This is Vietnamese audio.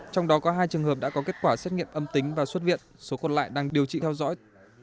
trong đó có hai trường hợp đã có kết quả xét nghiệm âm tính và xuất viện số còn lại đang điều trị theo dõi